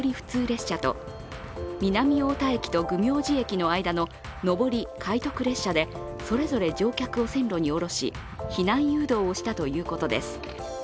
列車と、南太田駅と弘明寺駅の間の上り快特列車でそれぞれ乗客を線路におろし避難誘導をしたということです。